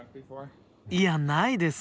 いやないですね！